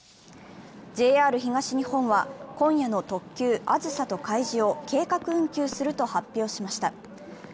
ＪＲ東日本は今夜の特急あずさとかいじを計画運休すると発表しました。